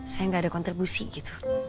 saya nggak ada kontribusi gitu